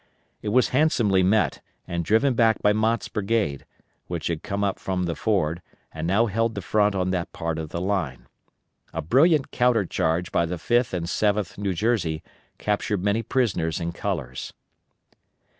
It was handsomely met and driven back by Mott's brigade, which had come up from the Ford, and now held the front on that part of the line. A brilliant counter charge by the 5th and 7th New Jersey captured many prisoners and colors.